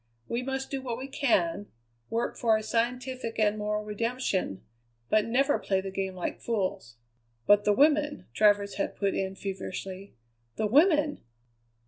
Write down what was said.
We must do what we can; work for a scientific and moral redemption, but never play the game like fools." "But the women," Travers had put in feverishly, "the women!"